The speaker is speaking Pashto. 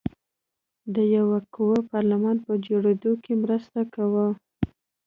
د یوه قوي پارلمان په جوړېدو کې مرسته وکړه.